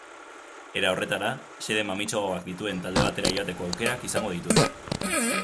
Era horretara, xede mamitsuagoak dituen talde batera joateko aukerak izango ditut.